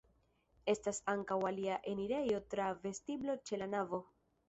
Estas ankaŭ alia enirejo tra vestiblo ĉe la navo.